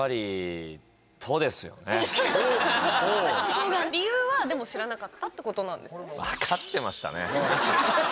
この写真は理由はでも知らなかったってことなんですよね？